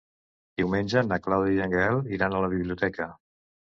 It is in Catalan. Diumenge na Clàudia i en Gaël iran a la biblioteca.